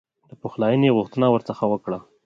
د پخلایني غوښتنه ورڅخه وکړه.